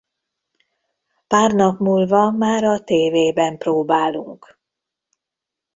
Pár nap múlva már a tévében próbálunk.